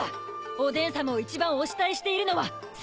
おでんさまを一番お慕いしているのは拙者